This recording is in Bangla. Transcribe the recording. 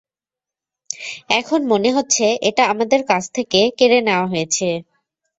এখন, মনে হচ্ছে এটা আমাদের কাছ থেকে কেড়ে নেওয়া হয়েছে।